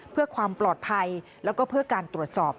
เพื่อความปลอดภัยแล้วก็เพื่อการตรวจสอบ